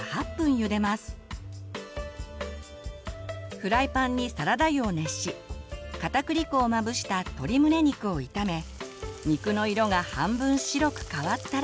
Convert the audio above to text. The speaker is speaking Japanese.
フライパンにサラダ油を熱しかたくり粉をまぶした鶏むね肉を炒め肉の色が半分白く変わったら。